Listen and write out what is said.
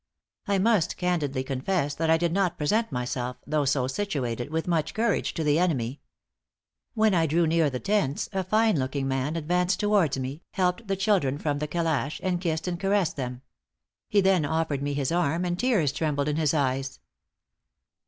I must candidly confess that I did not present myself, though so situated, with much courage to the enemy. When I drew near the tents, a fine looking man advanced towards me, helped the children from the calash, and kissed and caressed them. He then offered me his arm, and tears trembled in his eyes.